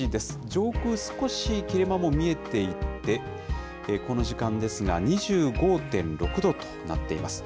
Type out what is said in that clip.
上空少し切れ間も見えていて、この時間ですが２５．６度となっています。